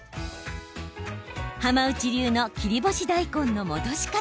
浜内流の切り干し大根の戻し方。